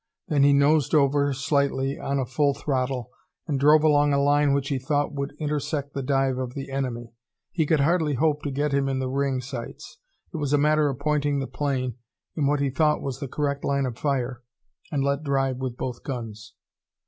Then he nosed over, slightly, on a full throttle, and drove along a line which he thought would intersect the dive of the enemy. He could hardly hope to get him in the ring sights; it was a matter of pointing the plane in what he thought was the correct line of fire and let drive with both guns.